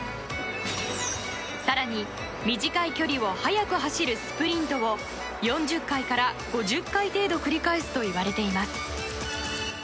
更に、短い距離を速く走るスプリントを４０回から５０回程度繰り返すといわれています。